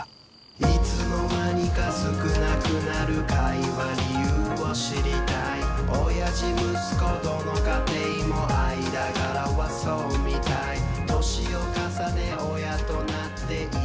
「いつの間にか少なくなる会話理由を知りたい」「親父息子どの家庭も間柄はそうみたい」「年を重ね親となっていい姿を残したい」